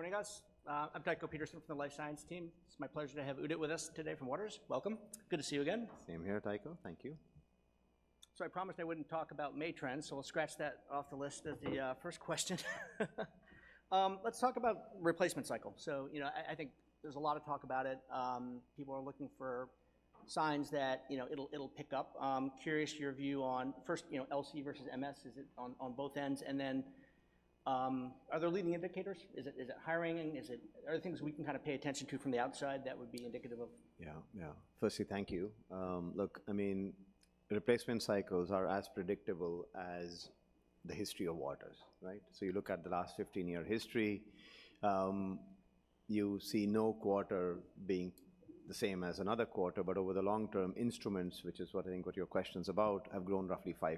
Thank you for joining us. I'm Tycho Peterson from the life science team. It's my pleasure to have Udit with us today from Waters. Welcome. Good to see you again. Same here, Tycho. Thank you. I promised I wouldn't talk about May trends, so we'll scratch that off the list as the first question. Let's talk about replacement cycle. You know, I think there's a lot of talk about it. People are looking for signs that, you know, it'll pick up. Curious your view on first, you know, LC versus MS, is it on both ends? And then, are there leading indicators? Is it hiring, and are there things we can kind of pay attention to from the outside that would be indicative of? Yeah. Yeah. Firstly, thank you. Look, I mean, replacement cycles are as predictable as the history of Waters, right? So you look at the last 15-year history, you see no quarter being the same as another quarter, but over the long term, instruments, which is what I think what your question's about, have grown roughly 5%.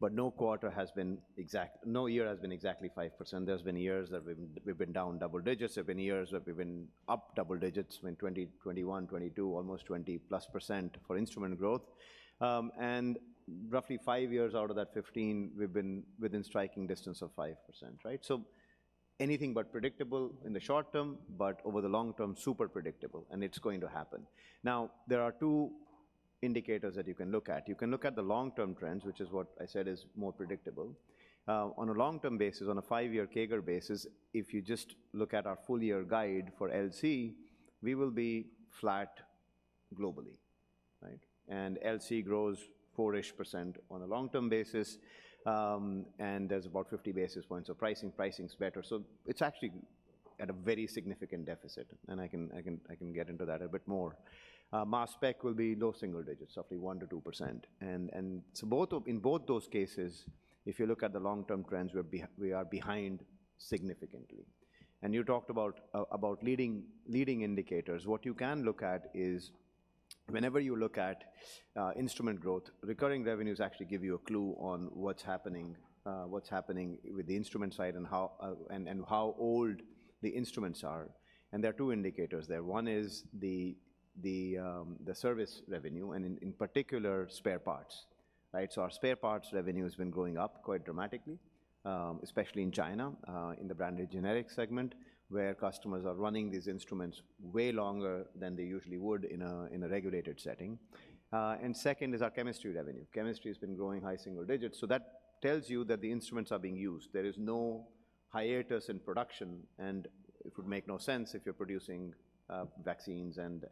But no quarter has been exact. No year has been exactly 5%. There's been years that we've, we've been down double digits. There've been years where we've been up double digits, in 2020, 2021, 2022, almost 20%+ for instrument growth. And roughly five years out of that 15, we've been within striking distance of 5%, right? So anything but predictable in the short term, but over the long term, super predictable, and it's going to happen. Now, there are two indicators that you can look at. You can look at the long-term trends, which is what I said is more predictable. On a long-term basis, on a five year CAGR basis, if you just look at our full year guide for LC, we will be flat globally, right? And LC grows 4-ish% on a long-term basis, and there's about 50 basis points of pricing. Pricing's better, so it's actually at a very significant deficit, and I can get into that a bit more. Mass spec will be low single digits, roughly 1%-2%. And so both of, in both those cases, if you look at the long-term trends, we are behind significantly. And you talked about about leading indicators. What you can look at is whenever you look at instrument growth, recurring revenues actually give you a clue on what's happening, what's happening with the instrument side and how, and how old the instruments are. There are two indicators there. One is the service revenue, and in particular, spare parts, right? So our spare parts revenue has been growing up quite dramatically, especially in China, in the branded generics segment, where customers are running these instruments way longer than they usually would in a regulated setting. Second is our chemistry revenue. Chemistry has been growing high single digits, so that tells you that the instruments are being used. There is no hiatus in production, and it would make no sense if you're producing vaccines and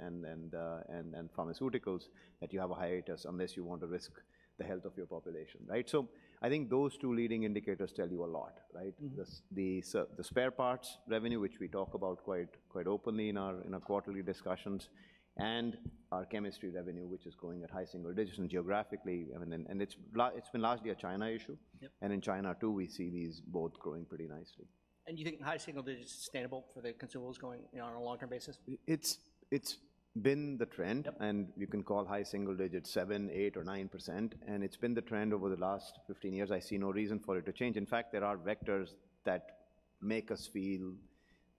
pharmaceuticals, that you have a hiatus unless you want to risk the health of your population, right? So I think those two leading indicators tell you a lot, right? Mm-hmm. The spare parts revenue, which we talk about quite, quite openly in our quarterly discussions, and our chemistry revenue, which is growing at high single digits and geographically, I mean... And it's been largely a China issue. Yep. In China, too, we see these both growing pretty nicely. You think high single digits is sustainable for the consumables going, you know, on a longer basis? It's been the trend. Yep. You can call high single digits 7%, 8%, or 9%, and it's been the trend over the last 15 years. I see no reason for it to change. In fact, there are vectors that make us feel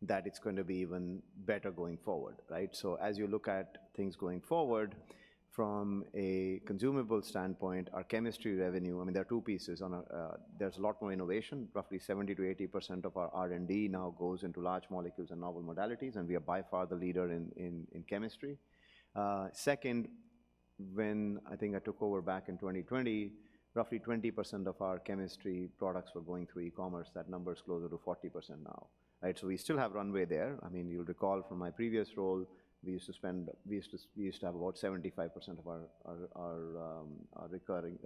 that it's going to be even better going forward, right? So as you look at things going forward from a consumable standpoint, our chemistry revenue, I mean, there are two pieces on a. There's a lot more innovation. Roughly 70%-80% of our R&D now goes into large molecules and novel modalities, and we are by far the leader in chemistry. Second, when I think I took over back in 2020, roughly 20% of our chemistry products were going through e-commerce. That number is closer to 40% now, right? So we still have runway there. I mean, you'll recall from my previous role, we used to have about 75% of our recurring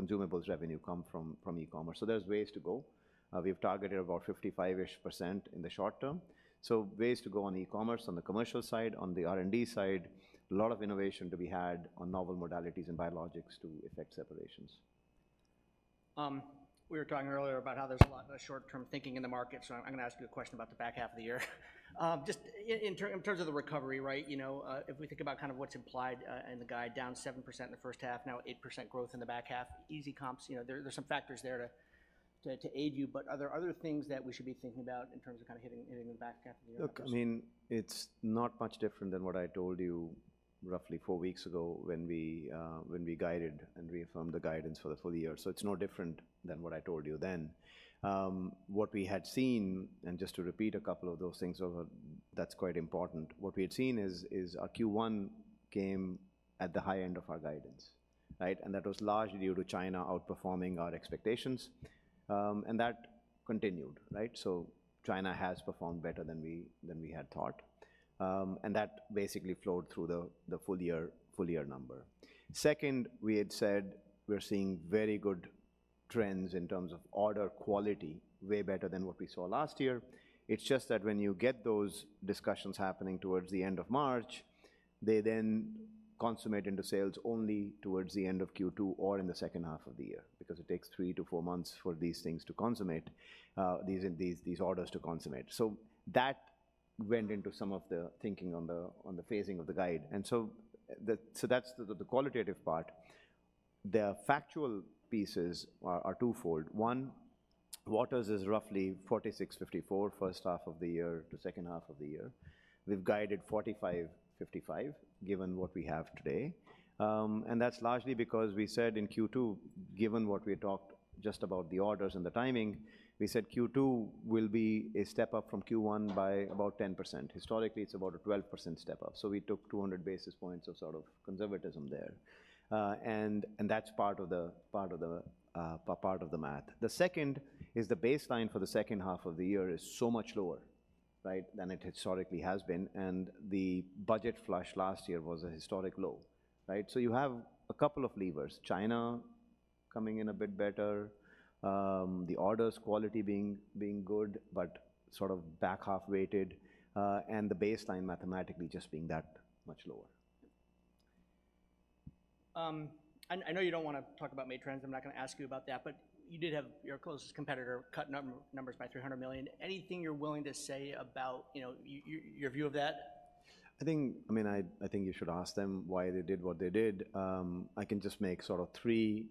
consumables revenue come from e-commerce, so there's ways to go. We've targeted about 55-ish% in the short term, so ways to go on e-commerce, on the commercial side. On the R&D side, a lot of innovation to be had on novel modalities and biologics to affect separations. We were talking earlier about how there's a lot of short-term thinking in the market, so I'm gonna ask you a question about the back half of the year. Just in terms of the recovery, right? You know, if we think about kind of what's implied in the guide, down 7% in the first half, 8% growth in the back half. Easy comps, you know, there's some factors there to aid you, but are there other things that we should be thinking about in terms of kind of hitting the back half of the year? Look, I mean, it's not much different than what I told you roughly four weeks ago when we guided and reaffirmed the guidance for the full year, so it's no different than what I told you then. What we had seen, and just to repeat a couple of those things over, that's quite important. What we had seen is our Q1 came at the high end of our guidance, right? And that was largely due to China outperforming our expectations, and that continued, right? So China has performed better than we had thought. And that basically flowed through the full year number. Second, we had said we're seeing very good trends in terms of order quality, way better than what we saw last year. It's just that when you get those discussions happening towards the end of March, they then consummate into sales only towards the end of Q2 or in the second half of the year, because it takes three to four months for these things to consummate, these orders to consummate. So that went into some of the thinking on the phasing of the guide, and so that's the qualitative part. The factual pieces are twofold. One, Waters is roughly 46-54 first half of the year to second half of the year. We've guided 45-55, given what we have today. And that's largely because, given what we talked just about the orders and the timing, we said Q2 will be a step up from Q1 by about 10%. Historically, it's about a 12% step up, so we took 200 basis points of sort of conservatism there. And that's part of the math. The second is the baseline for the second half of the year is so much lower, right, than it historically has been, and the budget flush last year was a historic low, right? So you have a couple of levers. China coming in a bit better, the orders quality being good but sort of back half weighted, and the baseline mathematically just being that much lower. I know you don't wanna talk about May trends, I'm not gonna ask you about that, but you did have your closest competitor cut numbers by $300 million. Anything you're willing to say about, you know, your view of that? I think, I mean, I think you should ask them why they did what they did. I can just make sort of three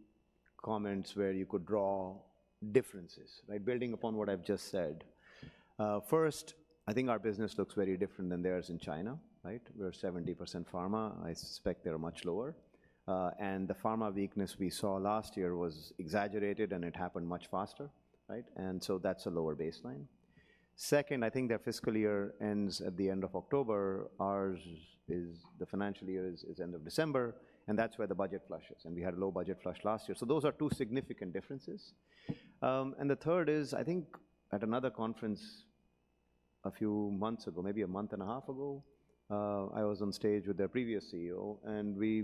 comments where you could draw differences, right? Building upon what I've just said. First, I think our business looks very different than theirs in China, right? We're 70% pharma, I suspect they're much lower. And the pharma weakness we saw last year was exaggerated, and it happened much faster, right? And so that's a lower baseline. Second, I think their fiscal year ends at the end of October. Ours is, the fiscal year is end of December, and that's where the budget flush is, and we had a low budget flush last year. So those are two significant differences. The third is, I think at another conference a few months ago, maybe a month and a half ago, I was on stage with their previous CEO, and we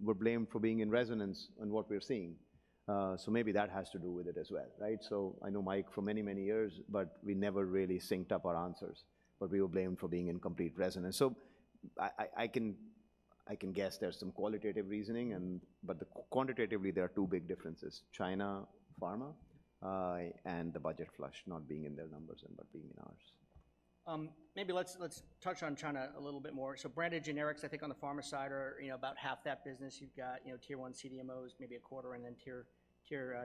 were blamed for being in resonance in what we're seeing. So maybe that has to do with it as well, right? So I know Mike for many, many years, but we never really synced up our answers, but we were blamed for being in complete resonance. So I can guess there's some qualitative reasoning and... But quantitatively, there are two big differences: China, pharma, and the budget flush not being in their numbers and but being in ours. Maybe let's touch on China a little bit more. So branded generics, I think on the pharma side are, you know, about half that business. You've got, you know, tier one CDMOs, maybe a quarter, and then tier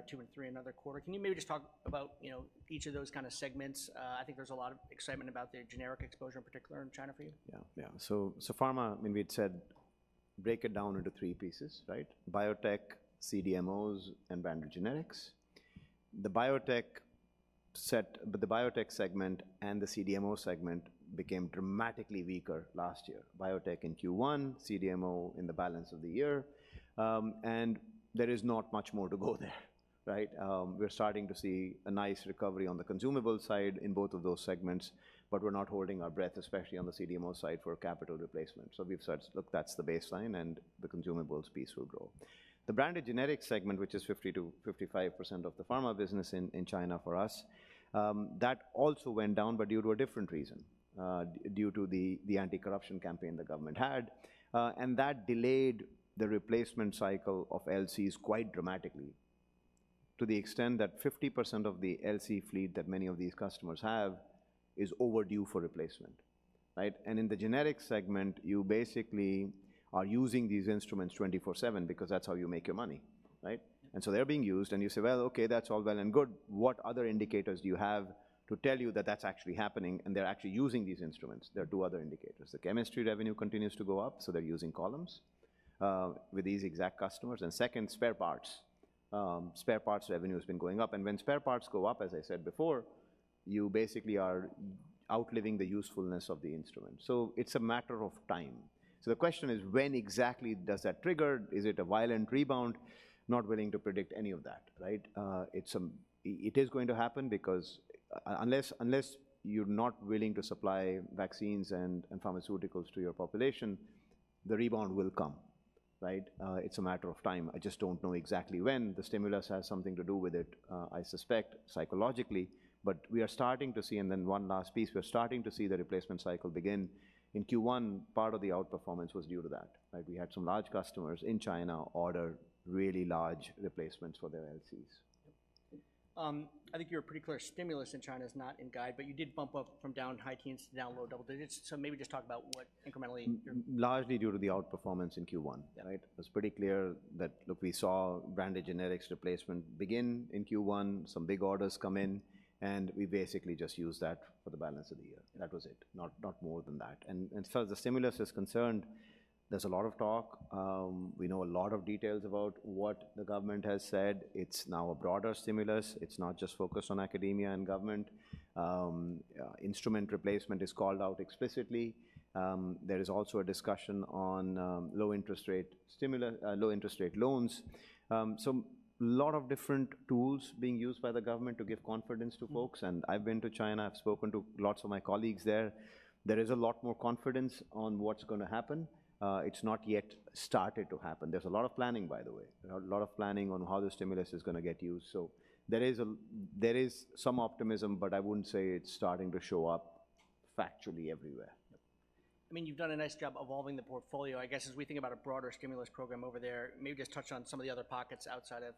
two and three, another quarter. Can you maybe just talk about, you know, each of those kind of segments? I think there's a lot of excitement about the generic exposure, in particular, in China for you. Yeah, yeah. So, so pharma, I mean, we'd said break it down into three pieces, right? Biotech, CDMOs, and branded generics. The biotech segment and the CDMO segment became dramatically weaker last year. Biotech in Q1, CDMO in the balance of the year. And there is not much more to go there, right? We're starting to see a nice recovery on the consumable side in both of those segments, but we're not holding our breath, especially on the CDMO side, for capital replacement. So we've said, "Look, that's the baseline, and the consumables piece will grow." The branded generics segment, which is 50%-55% of the pharma business in, in China for us, that also went down, but due to a different reason. Due to the, the anti-corruption campaign the government had, and that delayed the replacement cycle of LCs quite dramatically, to the extent that 50% of the LC fleet that many of these customers have is overdue for replacement, right? And in the generics segment, you basically are using these instruments 24/7 because that's how you make your money, right? And so they're being used, and you say: Well, okay, that's all well and good. What other indicators do you have to tell you that that's actually happening, and they're actually using these instruments? There are two other indicators. The chemistry revenue continues to go up, so they're using columns with these exact customers. And second, spare parts. Spare parts revenue has been going up, and when spare parts go up, as I said before, you basically are outliving the usefulness of the instrument. So it's a matter of time. So the question is, when exactly does that trigger? Is it a violent rebound? Not willing to predict any of that, right? It's... It is going to happen because unless, unless you're not willing to supply vaccines and pharmaceuticals to your population, the rebound will come, right? It's a matter of time. I just don't know exactly when. The stimulus has something to do with it, I suspect, psychologically. But we are starting to see, and then one last piece, we're starting to see the replacement cycle begin. In Q1, part of the outperformance was due to that, right? We had some large customers in China order really large replacements for their LCs. I think you're pretty clear, stimulus in China is not in guide, but you did bump up from down high teens to down low double digits. So maybe just talk about what incrementally you're- Largely due to the outperformance in Q1. Yeah. Right? It's pretty clear that, look, we saw branded generics replacement begin in Q1, some big orders come in, and we basically just used that for the balance of the year. That was it. Not more than that. And so as the stimulus is concerned, there's a lot of talk. We know a lot of details about what the government has said. It's now a broader stimulus. It's not just focused on academia and government. Instrument replacement is called out explicitly. There is also a discussion on low interest rate loans. So lot of different tools being used by the government to give confidence to folks. I've been to China, I've spoken to lots of my colleagues there. There is a lot more confidence on what's gonna happen. It's not yet started to happen. There's a lot of planning, by the way. There are a lot of planning on how the stimulus is gonna get used, so there is some optimism, but I wouldn't say it's starting to show up factually everywhere. I mean, you've done a nice job evolving the portfolio. I guess, as we think about a broader stimulus program over there, maybe just touch on some of the other pockets outside of,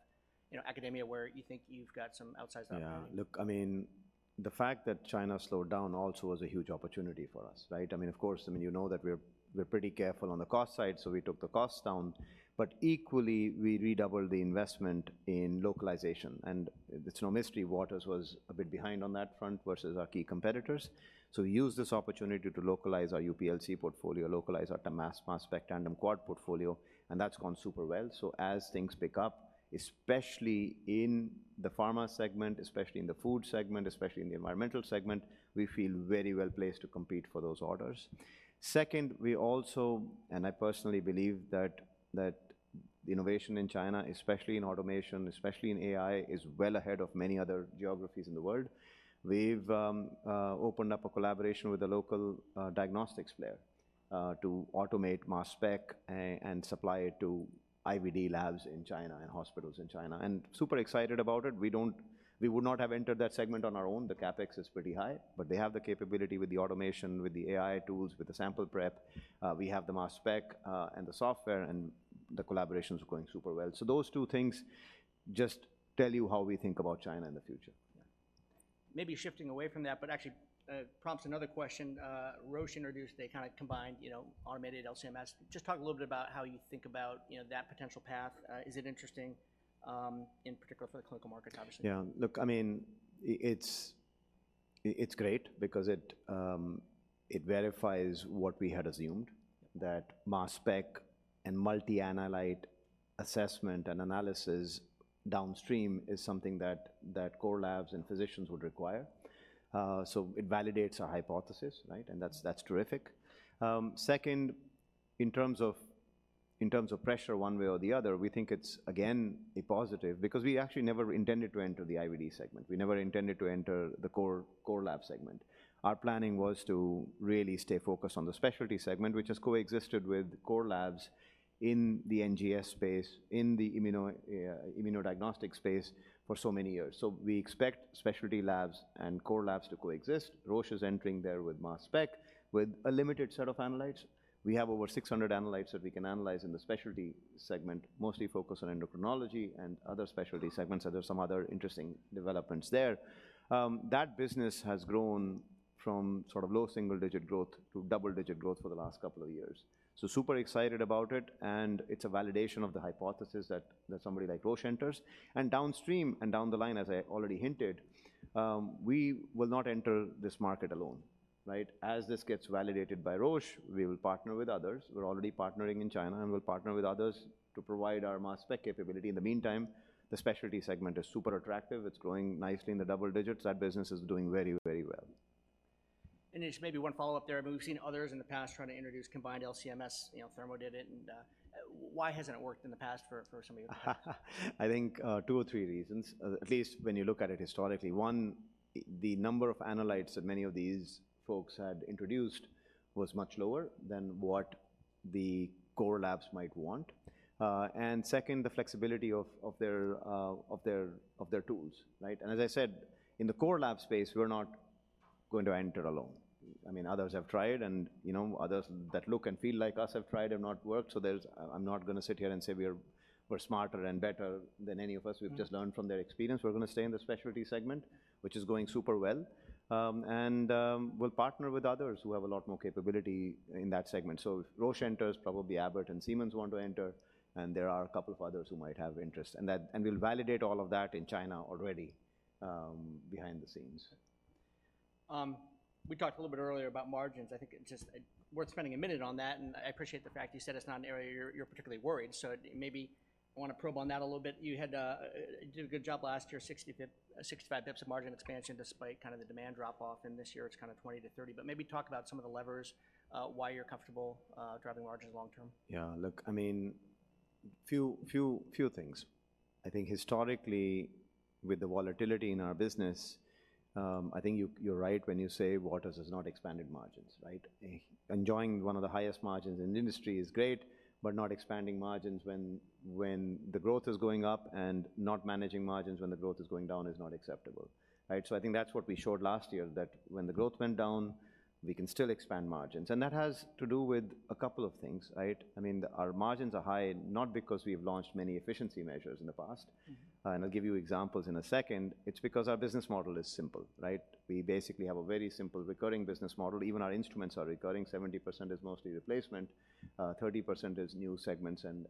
you know, academia, where you think you've got some outsized opportunity. Yeah. Look, I mean, the fact that China slowed down also was a huge opportunity for us, right? I mean, of course, I mean, you know that we're, we're pretty careful on the cost side, so we took the costs down. But equally, we redoubled the investment in localization, and it's no mystery Waters was a bit behind on that front versus our key competitors. So we used this opportunity to localize our UPLC portfolio, localize our mass, mass spec, tandem quad portfolio, and that's gone super well. So as things pick up, especially in the pharma segment, especially in the food segment, especially in the environmental segment, we feel very well placed to compete for those orders. Second, we also... And I personally believe that, that-... The innovation in China, especially in automation, especially in AI, is well ahead of many other geographies in the world. We've opened up a collaboration with a local diagnostics player to automate mass spec and supply it to IVD labs in China and hospitals in China, and super excited about it. We would not have entered that segment on our own. The CapEx is pretty high, but they have the capability with the automation, with the AI tools, with the sample prep. We have the mass spec and the software, and the collaboration is going super well. So those two things just tell you how we think about China in the future. Yeah. Maybe shifting away from that, but actually, prompts another question. Roche introduced a kind of combined, you know, automated LC-MS. Just talk a little bit about how you think about, you know, that potential path. Is it interesting, in particular for the clinical markets, obviously? Yeah. Look, I mean, it's great because it verifies what we had assumed, that mass spec and multi-analyte assessment and analysis downstream is something that core labs and physicians would require. So it validates our hypothesis, right? And that's terrific. Second, in terms of pressure, one way or the other, we think it's again a positive because we actually never intended to enter the IVD segment. We never intended to enter the core lab segment. Our planning was to really stay focused on the specialty segment, which has coexisted with core labs in the NGS space, in the immunodiagnostic space for so many years. So we expect specialty labs and core labs to coexist. Roche is entering there with mass spec, with a limited set of analytes. We have over 600 analytes that we can analyze in the specialty segment, mostly focused on endocrinology and other specialty segments, and there are some other interesting developments there. That business has grown from sort of low single-digit growth to double-digit growth for the last couple of years. So super excited about it, and it's a validation of the hypothesis that, that somebody like Roche enters. And downstream and down the line, as I already hinted, we will not enter this market alone, right? As this gets validated by Roche, we will partner with others. We're already partnering in China, and we'll partner with others to provide our mass spec capability. In the meantime, the specialty segment is super attractive. It's growing nicely in the double digits. That business is doing very, very well. Just maybe one follow-up there, but we've seen others in the past trying to introduce combined LC-MS. You know, Thermo did it, and why hasn't it worked in the past for some of you? I think, two or three reasons, at least when you look at it historically. One, the number of analytes that many of these folks had introduced was much lower than what the core labs might want. And second, the flexibility of their tools, right? And as I said, in the core lab space, we're not going to enter alone. I mean, others have tried and, you know, others that look and feel like us have tried and not worked, so there's. I'm not gonna sit here and say we're, we're smarter and better than any of us. Mm-hmm. We've just learned from their experience. We're gonna stay in the specialty segment, which is going super well. We'll partner with others who have a lot more capability in that segment. So if Roche enters, probably Abbott and Siemens want to enter, and there are a couple of others who might have interest. And we'll validate all of that in China already, behind the scenes. We talked a little bit earlier about margins. I think it's just worth spending a minute on that, and I appreciate the fact you said it's not an area you're, you're particularly worried. So maybe I want to probe on that a little bit. You had did a good job last year, 65 bips of margin expansion, despite kind of the demand drop-off, and this year it's kind of 20-30. But maybe talk about some of the levers, why you're comfortable driving margins long term. Yeah. Look, I mean, few things. I think historically, with the volatility in our business, I think you're right when you say Waters has not expanded margins, right? Enjoying one of the highest margins in the industry is great, but not expanding margins when the growth is going up and not managing margins when the growth is going down is not acceptable, right? So I think that's what we showed last year, that when the growth went down, we can still expand margins. And that has to do with a couple of things, right? I mean, our margins are high, not because we've launched many efficiency measures in the past, and I'll give you examples in a second. It's because our business model is simple, right? We basically have a very simple recurring business model. Even our instruments are recurring. 70% is mostly replacement, 30% is new segments and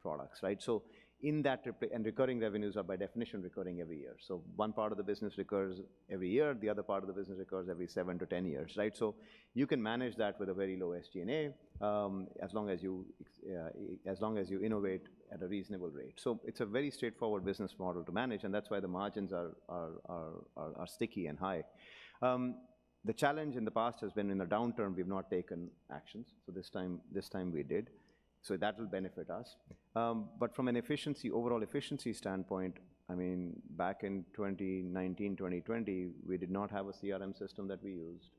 products, right? So in that and recurring revenues are by definition recurring every year. So one part of the business recurs every year, the other part of the business recurs every seven -10 years, right? So you can manage that with a very low SG&A, as long as you innovate at a reasonable rate. So it's a very straightforward business model to manage, and that's why the margins are sticky and high. The challenge in the past has been in the downturn, we've not taken actions. So this time, this time we did. So that will benefit us. But from an efficiency, overall efficiency standpoint, I mean, back in 2019, 2020, we did not have a CRM system that we used.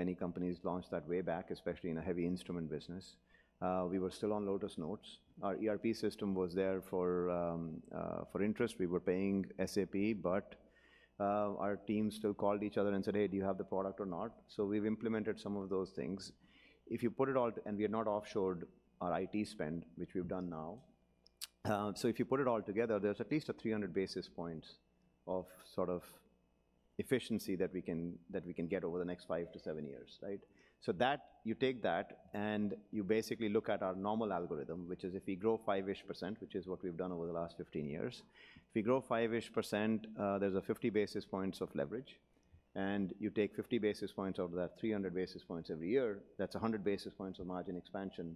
Many companies launched that way back, especially in a heavy instrument business. We were still on Lotus Notes. Our ERP system was there for, for interest. We were paying SAP, but, our team still called each other and said, "Hey, do you have the product or not?" So we've implemented some of those things. If you put it all together, we had not offshored our IT spend, which we've done now. So if you put it all together, there's at least 300 basis points of sort of efficiency that we can, that we can get over the next five to seven years, right? So that, you take that, and you basically look at our normal algorithm, which is if we grow 5-ish%, which is what we've done over the last 15 years. If we grow 5-ish%, there's 50 basis points of leverage... and you take 50 basis points out of that, 300 basis points every year, that's 100 basis points of margin expansion.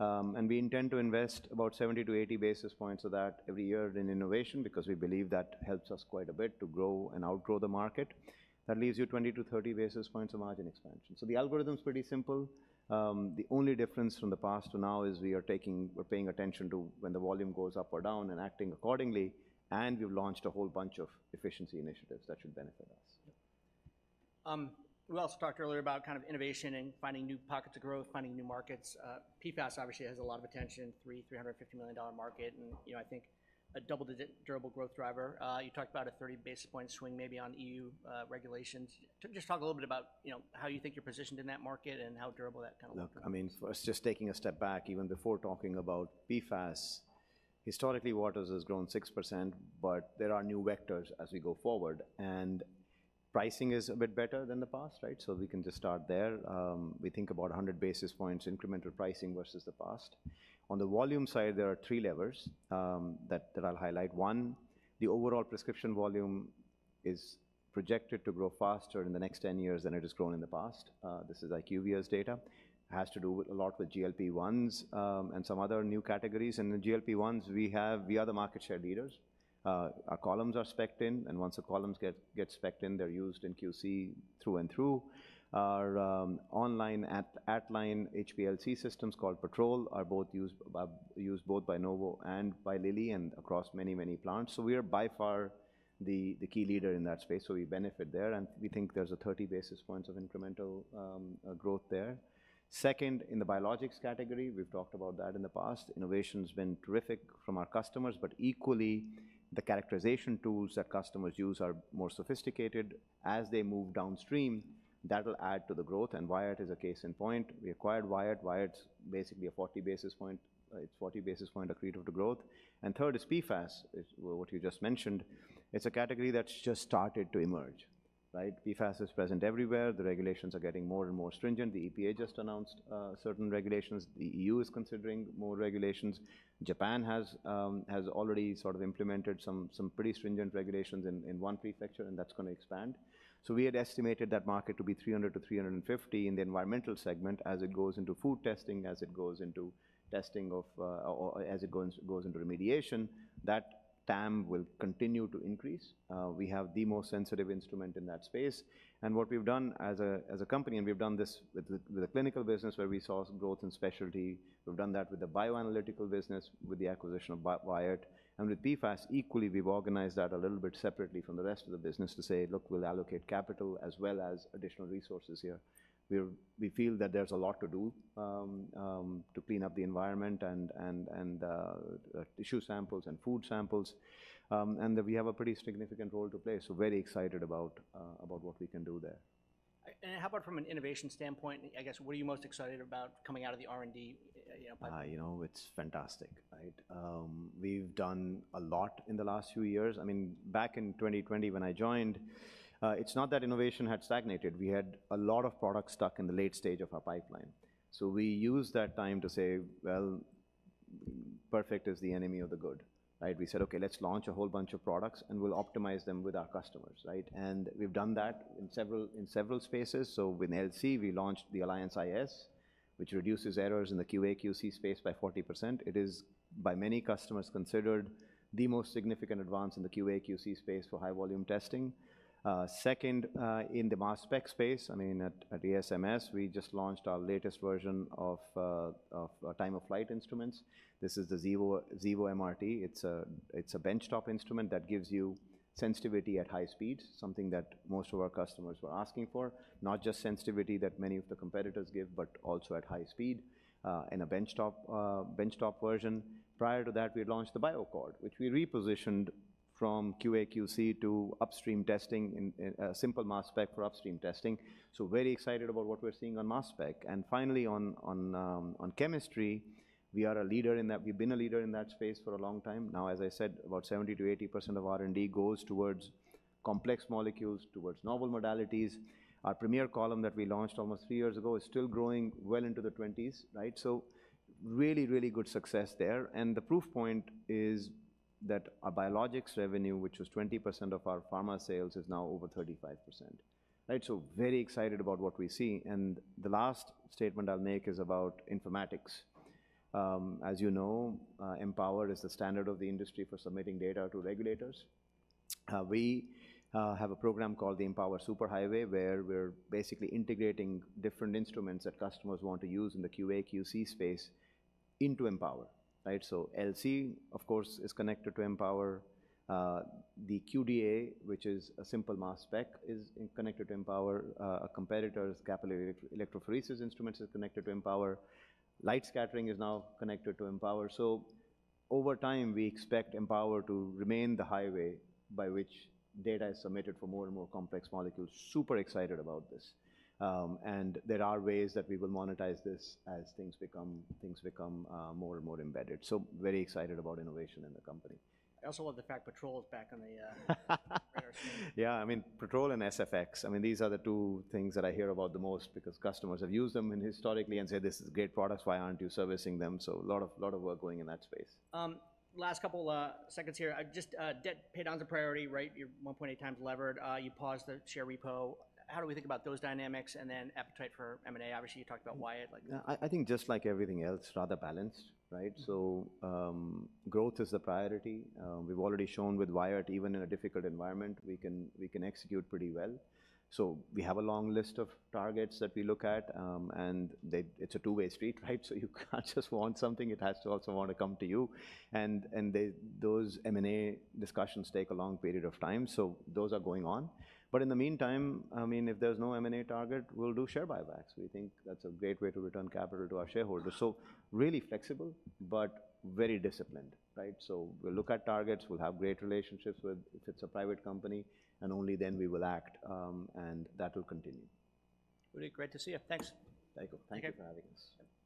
And we intend to invest about 70-80 basis points of that every year in innovation, because we believe that helps us quite a bit to grow and outgrow the market. That leaves you 20-30 basis points of margin expansion. So the algorithm's pretty simple. The only difference from the past to now is we're paying attention to when the volume goes up or down and acting accordingly, and we've launched a whole bunch of efficiency initiatives that should benefit us. We also talked earlier about kind of innovation and finding new pockets of growth, finding new markets. PFAS obviously has a lot of attention, $350 million market, and, you know, I think a double-digit durable growth driver. You talked about a 30 basis point swing maybe on EU, regulations. Just talk a little bit about, you know, how you think you're positioned in that market and how durable that kind of- Look, I mean, first, just taking a step back, even before talking about PFAS, historically, Waters has grown 6%, but there are new vectors as we go forward. Pricing is a bit better than the past, right? So we can just start there. We think about 100 basis points incremental pricing versus the past. On the volume side, there are three levers that I'll highlight. One, the overall prescription volume is projected to grow faster in the next 10 years than it has grown in the past. This is IQVIA's data. It has to do with a lot with GLP-1s and some other new categories. In the GLP-1s, we are the market share leaders. Our columns are spec'd in, and once the columns get spec'd in, they're used in QC through and through. Our online at-line HPLC systems, called Patrol, are both used by Novo and by Lilly, and across many, many plants. So we are by far the key leader in that space, so we benefit there, and we think there's a 30 basis points of incremental growth there. Second, in the biologics category, we've talked about that in the past, innovation's been terrific from our customers, but equally, the characterization tools that customers use are more sophisticated. As they move downstream, that will add to the growth, and Wyatt is a case in point. We acquired Wyatt. Wyatt's basically a 40 basis point, it's 40 basis point accretive to growth. And third is PFAS, is what you just mentioned. It's a category that's just started to emerge, right? PFAS is present everywhere. The regulations are getting more and more stringent. The EPA just announced certain regulations. The EU is considering more regulations. Japan has already sort of implemented some pretty stringent regulations in one prefecture, and that's going to expand. So we had estimated that market to be $300-$350 in the environmental segment. As it goes into food testing, as it goes into testing of or as it goes into remediation, that TAM will continue to increase. We have the most sensitive instrument in that space, and what we've done as a company, and we've done this with the clinical business, where we saw some growth in specialty. We've done that with the bioanalytical business, with the acquisition of Wyatt. With PFAS, equally, we've organized that a little bit separately from the rest of the business to say, "Look, we'll allocate capital as well as additional resources here." We feel that there's a lot to do to clean up the environment and tissue samples and food samples, and that we have a pretty significant role to play. So very excited about what we can do there. How about from an innovation standpoint? I guess, what are you most excited about coming out of the R&D, you know, pipe? You know, it's fantastic, right? We've done a lot in the last few years. I mean, back in 2020 when I joined, it's not that innovation had stagnated. We had a lot of products stuck in the late stage of our pipeline. So we used that time to say, "Well, perfect is the enemy of the good," right? We said, "Okay, let's launch a whole bunch of products, and we'll optimize them with our customers," right? And we've done that in several spaces. So in LC, we launched the Alliance iS, which reduces errors in the QA/QC space by 40%. It is, by many customers, considered the most significant advance in the QA/QC space for high-volume testing. Second, in the mass spec space, I mean, at ASMS, we just launched our latest version of time-of-flight instruments. This is the Xevo MRT. It's a benchtop instrument that gives you sensitivity at high speeds, something that most of our customers were asking for. Not just sensitivity that many of the competitors give, but also at high speed in a benchtop version. Prior to that, we launched the BioAccord, which we repositioned from QA/QC to upstream testing in simple mass spec for upstream testing. So very excited about what we're seeing on mass spec. And finally, on chemistry, we are a leader in that, we've been a leader in that space for a long time now. As I said, about 70%-80% of R&D goes towards complex molecules, towards novel modalities. Our premier column that we launched almost three years ago is still growing well into the twenties, right? So really, really good success there. The proof point is that our biologics revenue, which was 20% of our pharma sales, is now over 35%. Right, so very excited about what we see. The last statement I'll make is about informatics. As you know, Empower is the standard of the industry for submitting data to regulators. We have a program called the Empower Superhighway, where we're basically integrating different instruments that customers want to use in the QA/QC space into Empower, right? So LC, of course, is connected to Empower. The QDa, which is a simple mass spec, is connected to Empower. A competitor's capillary electrophoresis instruments is connected to Empower. Light scattering is now connected to Empower. So over time, we expect Empower to remain the highway by which data is submitted for more and more complex molecules. Super excited about this. And there are ways that we will monetize this as things become more and more embedded. So very excited about innovation in the company. I also love the fact Patrol is back on the Yeah, I mean, Patrol and SFX, I mean, these are the two things that I hear about the most because customers have used them historically and say, "This is great products, why aren't you servicing them?" So a lot of, lot of work going in that space. Last couple seconds here. Just debt paydown's a priority, right? You're 1.8x levered. You paused the share repo. How do we think about those dynamics? And then appetite for M&A, obviously, you talked about Wyatt, like- Yeah. I think just like everything else, rather balanced, right? So, growth is a priority. We've already shown with Wyatt, even in a difficult environment, we can, we can execute pretty well. So we have a long list of targets that we look at, and they, it's a two-way street, right? So you can't just want something, it has to also want to come to you. And, and they, those M&A discussions take a long period of time, so those are going on. But in the meantime, I mean, if there's no M&A target, we'll do share buybacks. We think that's a great way to return capital to our shareholders. So really flexible, but very disciplined, right? So we'll look at targets. We'll have great relationships with, if it's a private company, and only then we will act, and that will continue. Udit, great to see you. Thanks. Thank you. Thank you for having us.